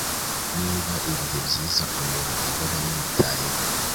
Niba ibihe byiza umuntu ahora yitayeho